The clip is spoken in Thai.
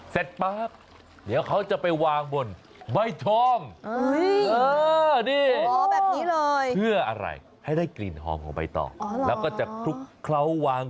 เสร็จพักเดี๋ยวเขาจะไปวาง